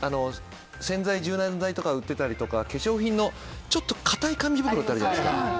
洗剤、柔軟剤とかを売ってたりとか化粧品のちょっと硬い紙袋ってあるじゃないですか。